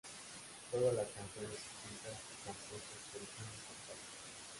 Todas las canciones escritas y compuestas por Izumi Sakai